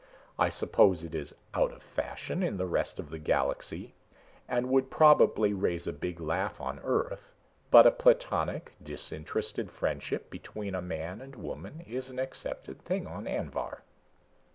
I suppose it is out of fashion in the rest of the galaxy and would probably raise a big laugh on Earth but a platonic, disinterested friendship between man and woman is an accepted thing on Anvhar."